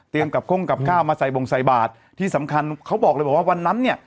เตรียมกลับค่งกลับข้าวมาใส่บงไสบาทที่สำคัญเขาบอกเลยว่าวันนั้นเนี่ย